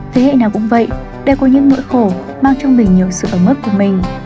thế hệ nào cũng vậy đều có những nỗi khổ mang trong mình nhiều sự ấm mức của mình